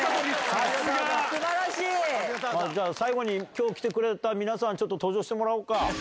さすが！最後に今日来てくれた皆さん登場してもらおうか。